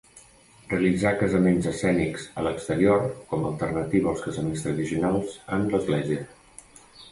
Realitzar casaments escènics a l'exterior com a alternativa als casaments tradicionals en església.